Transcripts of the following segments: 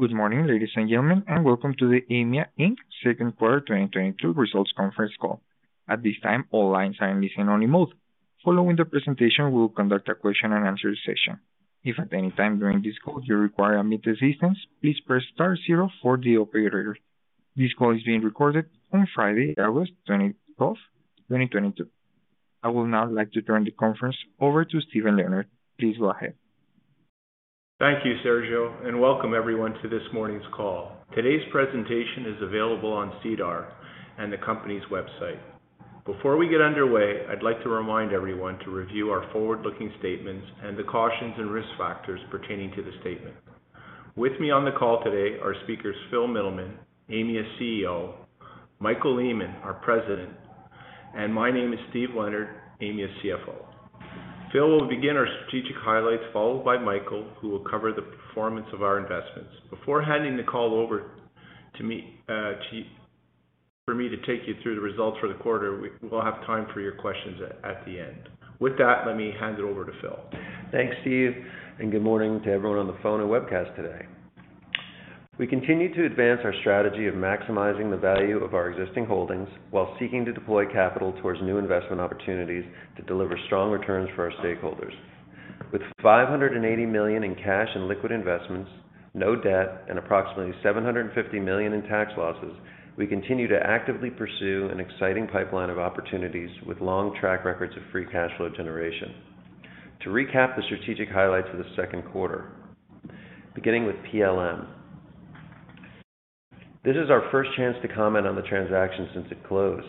Good morning ladies and gentlemen, and welcome to the Aimia Inc.'s second quarter 2022 results conference call. At this time, all lines are in listen-only mode. Following the presentation, we will conduct a question-and-answer session. If at any time during this call you require immediate assistance, please press star zero for the operator. This call is being recorded on Friday, August 24th, 2022. I will now like to turn the conference over to Steve Leonard. Please go ahead. Thank you Sergio, and welcome everyone to this morning's call. Today's presentation is available on SEDAR and the company's website. Before we get underway, I'd like to remind everyone to review our forward-looking statements and the cautions and risk factors pertaining to the statement. With me on the call today are speakers Phil Mittleman, Aimia CEO, Michael Lehmann, our President, and my name is Steve Leonard, Aimia CFO. Phil will begin our strategic highlights, followed by Michael, who will cover the performance of our investments. Before handing the call over to me, for me to take you through the results for the quarter, we will have time for your questions at the end. With that, let me hand it over to Phil. Thanks Steve, and good morning to everyone on the phone and webcast today. We continue to advance our strategy of maximizing the value of our existing holdings while seeking to deploy capital towards new investment opportunities to deliver strong returns for our stakeholders. With 580 million in cash and liquid investments, no debt, and approximately 750 million in tax losses, we continue to actively pursue an exciting pipeline of opportunities with long track records of free cash flow generation. To recap the strategic highlights of the second quarter, beginning with PLM. This is our first chance to comment on the transaction since it closed.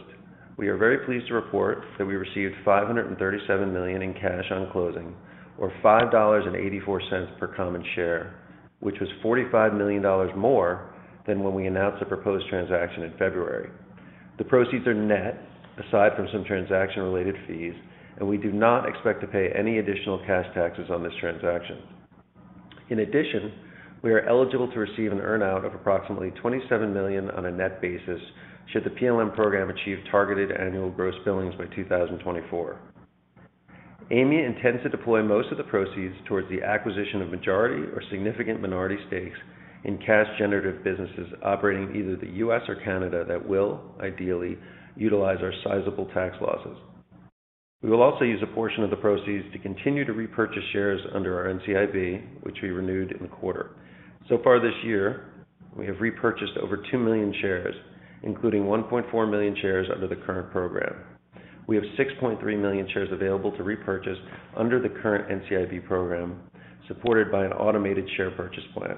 We are very pleased to report that we received 537 million in cash on closing, or 5.84 dollars per common share, which was 45 million dollars more than when we announced the proposed transaction in February. The proceeds are net, aside from some transaction-related fees, and we do not expect to pay any additional cash taxes on this transaction. In addition, we are eligible to receive an earn-out of approximately 27 million on a net basis should the PLM program achieve targeted annual gross billings by 2024. Aimia intends to deploy most of the proceeds towards the acquisition of majority or significant minority stakes in cash-generative businesses operating in either the U.S. or Canada that will ideally utilize our sizable tax losses. We will also use a portion of the proceeds to continue to repurchase shares under our NCIB, which we renewed in the quarter. Far this year, we have repurchased over 2 million shares, including 1.4 million shares under the current program. We have 6.3 million shares available to repurchase under the current NCIB program, supported by an automated share purchase plan.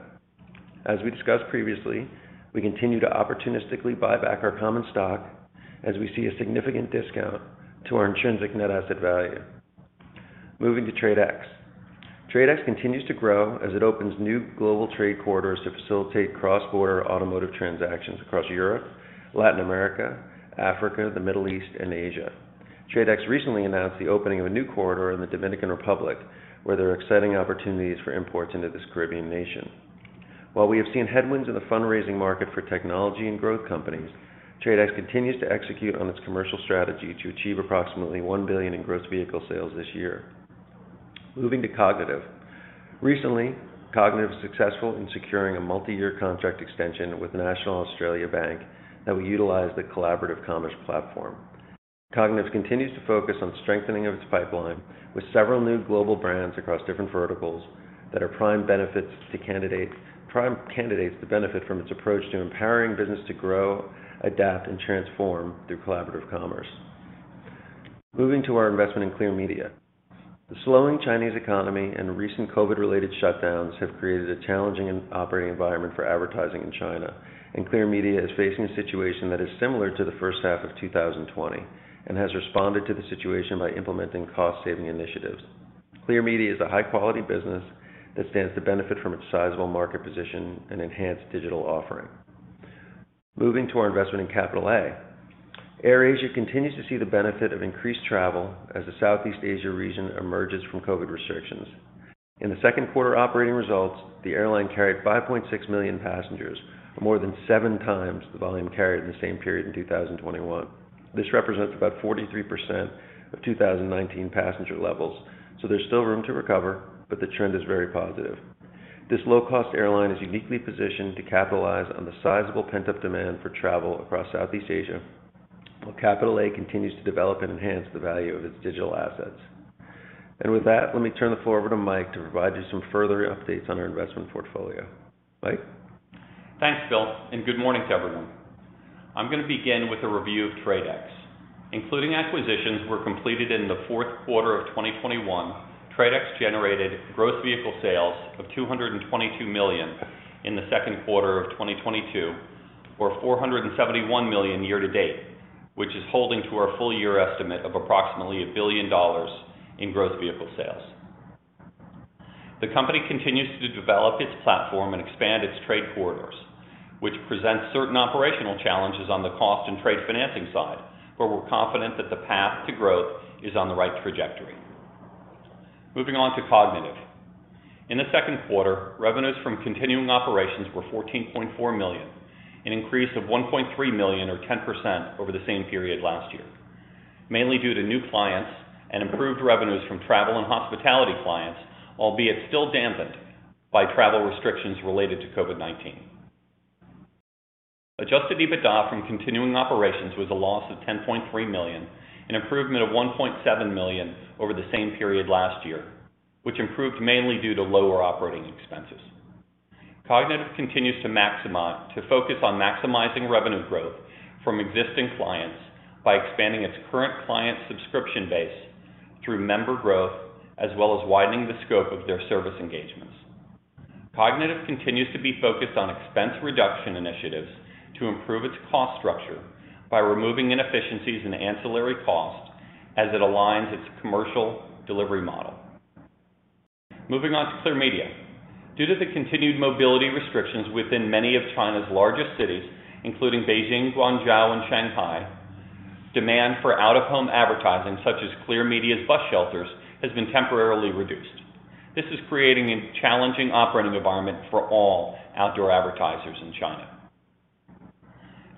As we discussed previously, we continue to opportunistically buy back our common stock as we see a significant discount to our intrinsic net asset value. Moving to TRADE X. TRADE X continues to grow as it opens new global trade corridors to facilitate cross-border automotive transactions across Europe, Latin America, Africa, the Middle East, and Asia. TRADE X recently announced the opening of a new corridor in the Dominican Republic, where there are exciting opportunities for imports into this Caribbean nation. While we have seen headwinds in the fundraising market for technology and growth companies, TradeX continues to execute on its commercial strategy to achieve approximately 1 billion in gross vehicle sales this year. Moving to Kognitiv. Recently, Kognitiv was successful in securing a multi-year contract extension with the National Australia Bank that will utilize the collaborative commerce platform. Kognitiv continues to focus on strengthening of its pipeline with several new global brands across different verticals that are prime candidates to benefit from its approach to empowering business to grow, adapt, and transform through collaborative commerce. Moving to our investment in Clear Media. The slowing Chinese economy and recent COVID-related shutdowns have created a challenging operating environment for advertising in China, and Clear Media is facing a situation that is similar to the first half of 2020, and has responded to the situation by implementing cost-saving initiatives. Clear Media is a high-quality business that stands to benefit from its sizable market position and enhanced digital offering. Moving to our investment in Capital A. AirAsia continues to see the benefit of increased travel as the Southeast Asia region emerges from COVID restrictions. In the second quarter operating results, the airline carried 5.6 million passengers, more than seven times the volume carried in the same period in 2021. This represents about 43% of 2019 passenger levels. There's still room to recover, but the trend is very positive. This low-cost airline is uniquely positioned to capitalize on the sizable pent-up demand for travel across Southeast Asia, while Capital A continues to develop and enhance the value of its digital assets. With that, let me turn the floor over to Mike to provide you some further updates on our investment portfolio. Mike? Thanks Phil, and good morning to everyone. I'm gonna begin with a review of TRADE X. Including acquisitions were completed in the fourth quarter of 2021. TRADE X generated gross vehicle sales of 222 million in the second quarter of 2022, or 471 million year to date, which is holding to our full year estimate of approximately 1 billion dollars in gross vehicle sales. The company continues to develop its platform and expand its trade corridors, which presents certain operational challenges on the cost and trade financing side, but we're confident that the path to growth is on the right trajectory. Moving on to Kognitiv. In the second quarter, revenues from continuing operations were 14.4 million, an increase of 1.3 million or 10% over the same period last year. Mainly due to new clients and improved revenues from travel and hospitality clients, albeit still dampened by travel restrictions related to COVID-19. Adjusted EBITDA from continuing operations was a loss of 10.3 million, an improvement of 1.7 million over the same period last year, which improved mainly due to lower operating expenses. Kognitiv continues to focus on maximizing revenue growth from existing clients by expanding its current client subscription base through member growth, as well as widening the scope of their service engagements. Kognitiv continues to be focused on expense reduction initiatives to improve its cost structure by removing inefficiencies and ancillary costs as it aligns its commercial delivery model. Moving on to Clear Media. Due to the continued mobility restrictions within many of China's largest cities, including Beijing, Guangzhou, and Shanghai, demand for out-of-home advertising, such as Clear Media's bus shelters, has been temporarily reduced. This is creating a challenging operating environment for all outdoor advertisers in China.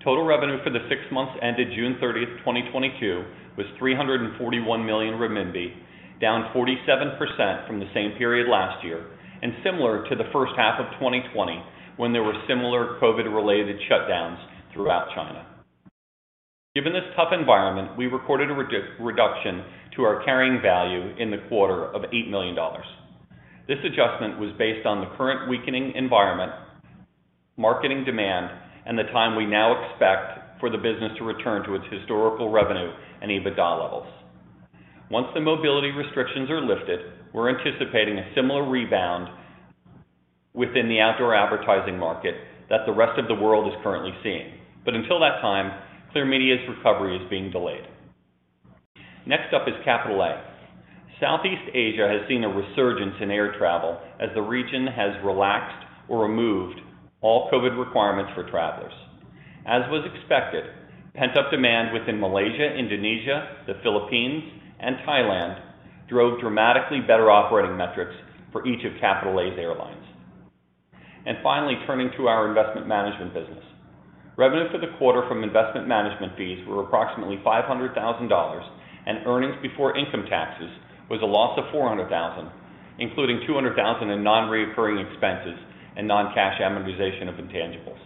Total revenue for the six months ended June 30th, 2022 was 341 million renminbi, down 47% from the same period last year, and similar to the first half of 2020 when there were similar COVID-related shutdowns throughout China. Given this tough environment, we reported a reduction to our carrying value in the quarter of $8 million. This adjustment was based on the current weakening environment, marketing demand, and the time we now expect for the business to return to its historical revenue and EBITDA levels. Once the mobility restrictions are lifted, we're anticipating a similar rebound within the outdoor advertising market that the rest of the world is currently seeing. Until that time, Clear Media's recovery is being delayed. Next up is Capital A. Southeast Asia has seen a resurgence in air travel as the region has relaxed or removed all COVID requirements for travelers. As was expected, pent-up demand within Malaysia, Indonesia, the Philippines, and Thailand drove dramatically better operating metrics for each of Capital A's airlines. Finally, turning to our investment management business. Revenue for the quarter from investment management fees were approximately 500 thousand dollars, and earnings before income taxes was a loss of 400 thousand, including 200 thousand in non-recurring expenses and non-cash amortization of intangibles.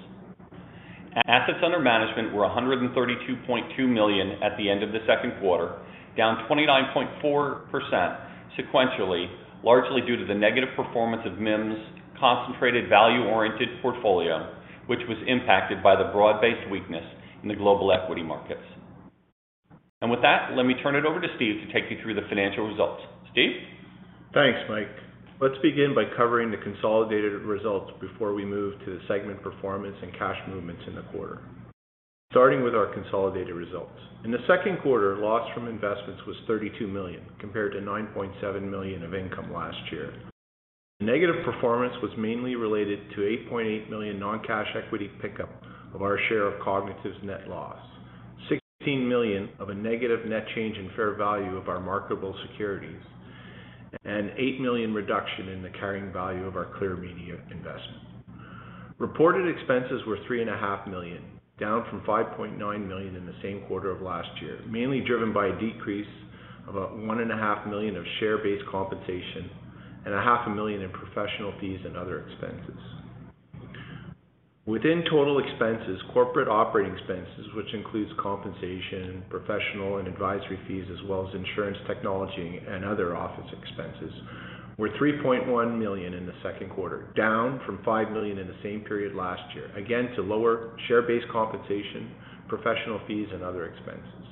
Assets under management were 132.2 million at the end of the second quarter, down 29.4% sequentially, largely due to the negative performance of MIM's concentrated value-oriented portfolio, which was impacted by the broad-based weakness in the global equity markets. With that, let me turn it over to Steve to take you through the financial results. Steve? Thanks Mike. Let's begin by covering the consolidated results before we move to the segment performance and cash movements in the quarter. Starting with our consolidated results. In the second quarter, loss from investments was 32 million, compared to 9.7 million of income last year. The negative performance was mainly related to 8.8 million non-cash equity pickup of our share of Kognitiv's net loss, 16 million of a negative net change in fair value of our marketable securities, and a 8 million reduction in the carrying value of our Clear Media investment. Reported expenses were three and a half million, down from 5.9 million in the same quarter of last year, mainly driven by a decrease of about one and a half million of share-based compensation and half a million in professional fees and other expenses. Within total expenses, corporate operating expenses, which includes compensation, professional and advisory fees, as well as insurance, technology, and other office expenses, were 3.1 million in the second quarter, down from 5 million in the same period last year, due to lower share-based compensation, professional fees, and other expenses.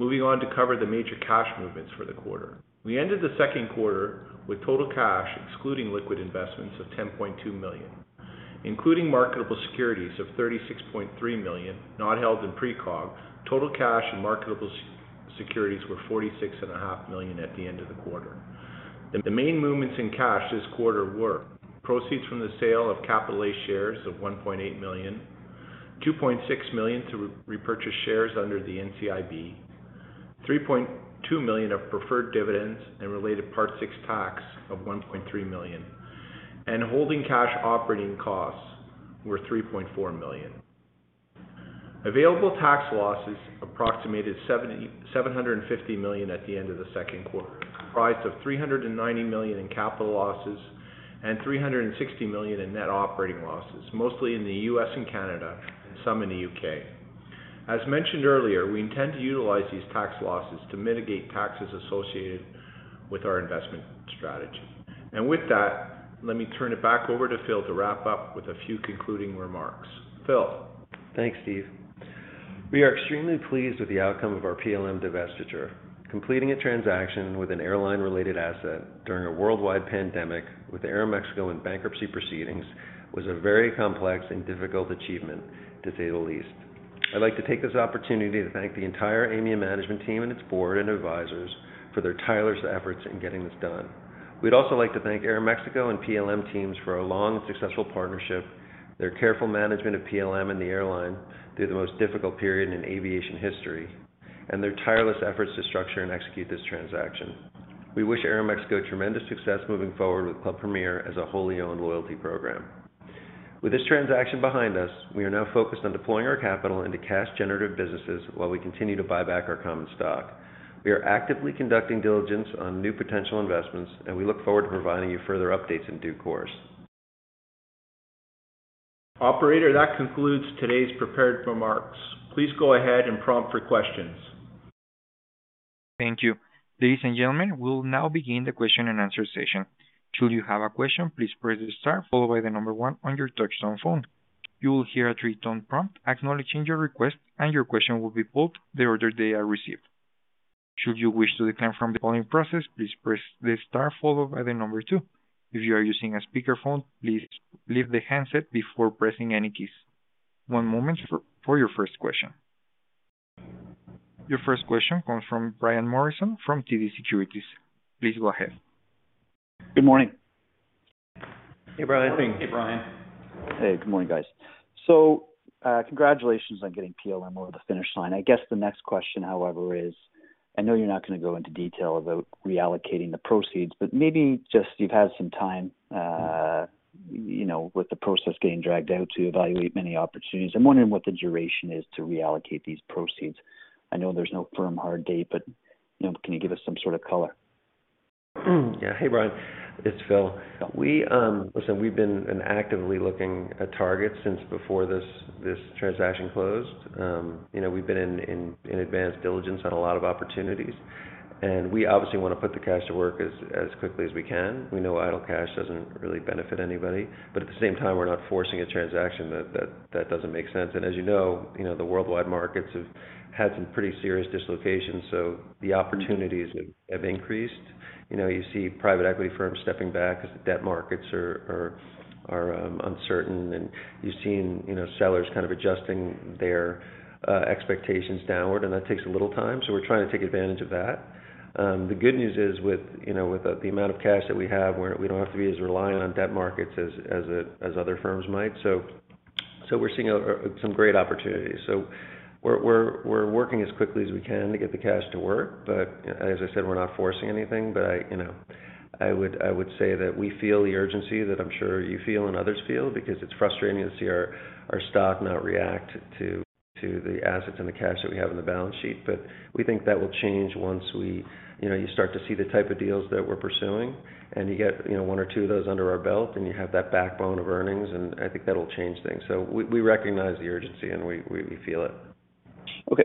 Moving on to cover the major cash movements for the quarter. We ended the second quarter with total cash, excluding liquid investments, of 10.2 million. Including marketable securities of 36.3 million, not held in Precog, total cash and marketable securities were 46.5 million at the end of the quarter. The main movements in cash this quarter were proceeds from the sale of Capital A shares of 1.8 million, 2.6 million to repurchase shares under the NCIB, 3.2 million of preferred dividends and related Part VI.1 tax of 1.3 million, and holding cash operating costs were 3.4 million. Available tax losses approximated 750 million at the end of the second quarter, comprised of 390 million in capital losses and $360 million in net operating losses, mostly in the U.S. and Canada, and some in the U.K. As mentioned earlier, we intend to utilize these tax losses to mitigate taxes associated with our investment strategy. With that, let me turn it back over to Phil to wrap up with a few concluding remarks. Phil? Thanks Steve. We are extremely pleased with the outcome of our PLM divestiture. Completing a transaction with an airline-related asset during a worldwide pandemic with Aeroméxico in bankruptcy proceedings was a very complex and difficult achievement, to say the least. I'd like to take this opportunity to thank the entire Aimia management team and its board and advisors for their tireless efforts in getting this done. We'd also like to thank Aeroméxico and PLM teams for a long and successful partnership, their careful management of PLM and the airline through the most difficult period in aviation history, and their tireless efforts to structure and execute this transaction. We wish Aeroméxico tremendous success moving forward with Club Premier as a wholly owned loyalty program. With this transaction behind us, we are now focused on deploying our capital into cash generative businesses while we continue to buy back our common stock. We are actively conducting diligence on new potential investments, and we look forward to providing you further updates in due course. Operator, that concludes today's prepared remarks. Please go ahead and prompt for questions. Thank you. Ladies and gentlemen, we'll now begin the question and answer session. Should you have a question, please press star followed by the number one on your touchtone phone. You will hear a three-tone prompt acknowledging your request, and your question will be taken in the order they are received. Should you wish to withdraw from the polling process, please press the star followed by the number two. If you are using a speakerphone, please leave the handset before pressing any keys. One moment for your first question. Your first question comes from Brian Morrison from TD Securities. Please go ahead. Good morning. Hey Brian. Hey Brian. Hey good morning guys. Congratulations on getting PLM over the finish line. I guess the next question however is, I know you're not gonna go into detail about reallocating the proceeds, but maybe just you've had some time, you know, with the process getting dragged out to evaluate many opportunities. I'm wondering what the duration is to reallocate these proceeds. I know there's no firm, hard date, but, you know, can you give us some sort of color? Yeah. Hey Brian, it's Phil. Listen, we've been actively looking at targets since before this transaction closed. You know, we've been in advanced diligence on a lot of opportunities, and we obviously wanna put the cash to work as quickly as we can. We know idle cash doesn't really benefit anybody, but at the same time, we're not forcing a transaction that doesn't make sense. As you know, you know, the worldwide markets have had some pretty serious dislocations. The opportunities have increased. You know, you see private equity firms stepping back as the debt markets are uncertain. You've seen, you know, sellers kind of adjusting their expectations downward, and that takes a little time, so we're trying to take advantage of that. The good news is with, you know, with the amount of cash that we have, we don't have to be as reliant on debt markets as other firms might. We're seeing some great opportunities. We're working as quickly as we can to get the cash to work. As I said, we're not forcing anything. I, you know, would say that we feel the urgency that I'm sure you feel and others feel because it's frustrating to see our stock not react to the assets and the cash that we have on the balance sheet. We think that will change once, you know, you start to see the type of deals that we're pursuing and you get, you know, one or two of those under our belt, and you have that backbone of earnings, and I think that'll change things. We recognize the urgency and we feel it. Okay.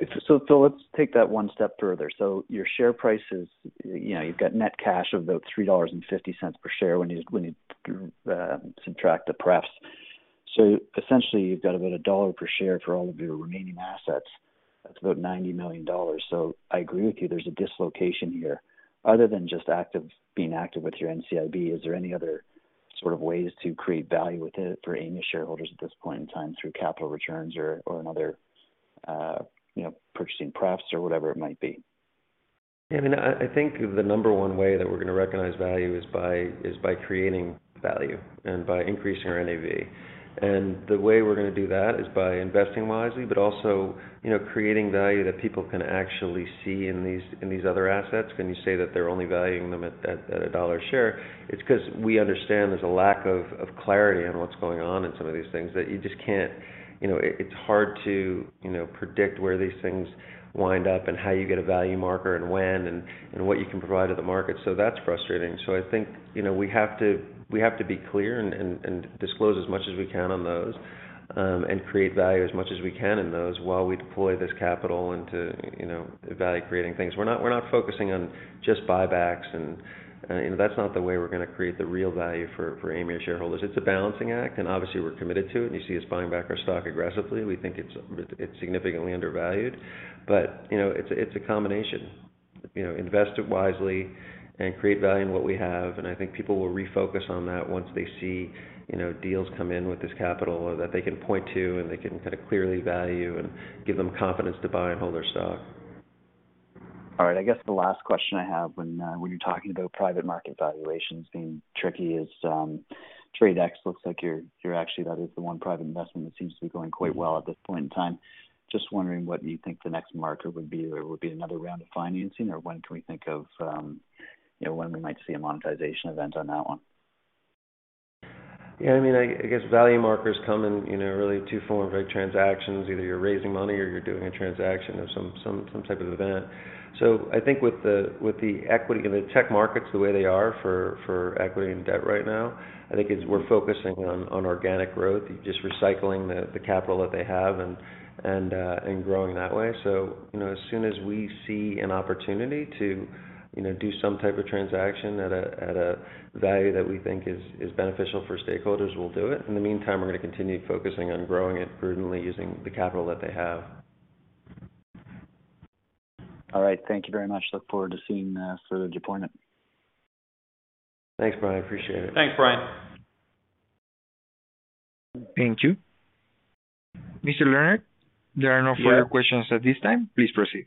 Let's take that one step further. Your share price is, you know, you've got net cash of about 3.50 dollars per share when you subtract the pref. Essentially you've got about CAD 1 per share for all of your remaining assets. That's about 90 million dollars. I agree with you. There's a dislocation here. Other than just being active with your NCIB, is there any other sort of ways to create value for Aimia shareholders at this point in time through capital returns or another, you know, purchasing profs or whatever it might be? Yeah. I mean, I think the number one way that we're gonna recognize value is by creating value and by increasing our NAV. The way we're gonna do that is by investing wisely, but also, you know, creating value that people can actually see in these other assets. When you say that they're only valuing them at a dollar a share, it's 'cause we understand there's a lack of clarity on what's going on in some of these things that you just can't. You know, it's hard to, you know, predict where these things wind up and how you get a value marker and when and what you can provide to the market. That's frustrating. I think, you know, we have to be clear and disclose as much as we can on those, and create value as much as we can in those while we deploy this capital into, you know, value creating things. We're not focusing on just buybacks and, you know, that's not the way we're gonna create the real value for Aimia shareholders. It's a balancing act, and obviously we're committed to it, and you see us buying back our stock aggressively. We think it's significantly undervalued. You know, it's a combination. You know, invest it wisely and create value in what we have, and I think people will refocus on that once they see, you know, deals come in with this capital that they can point to and they can kind of clearly value and give them confidence to buy and hold our stock. All right. I guess the last question I have when you're talking about private market valuations being tricky is, TRADE X looks like you're actually that is the one private investment that seems to be going quite well at this point in time. Just wondering what you think the next marker would be. Would it be another round of financing or when can we think of, you know, when we might see a monetization event on that one? Yeah. I mean, I guess value markers come in, you know, really two forms of transactions. Either you're raising money or you're doing a transaction of some type of event. I think with the equity— the tech markets the way they are for equity and debt right now, I think it's we're focusing on organic growth, just recycling the capital that they have and growing that way. You know, as soon as we see an opportunity to, you know, do some type of transaction at a value that we think is beneficial for stakeholders, we'll do it. In the meantime, we're gonna continue focusing on growing it prudently using the capital that they have. All right. Thank you very much. Look forward to seeing the deployment. Thanks Brian. Appreciate it. Thanks Brian. Thank you. Mr. Leonard. Yes. There are no further questions at this time. Please proceed.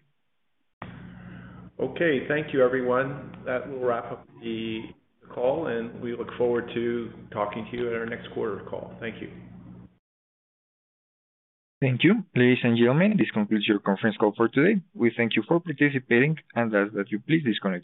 Okay. Thank you everyone. That will wrap up the call, and we look forward to talking to you at our next quarter call. Thank you. Thank you. Ladies and gentlemen, this concludes your conference call for today. We thank you for participating and ask that you please disconnect your lines.